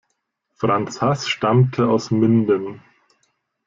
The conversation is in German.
Franz Haß stammte aus Minden.